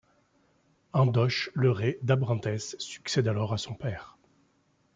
Andoche Le Ray d'Abrantès succède alors à son père.